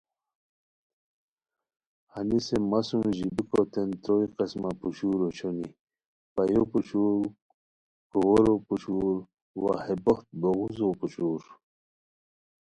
ہنیسے مہ سُوم ژیبیکوتین تروئے قسمہ پوشور اوشونی پایو پوشور کوورو پوشور وا ہے بوخت بوغوزو پوشور